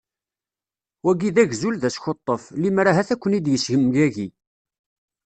Wagi d agzul d askuṭṭef, limer ahat ad ken-id-yessemgagi.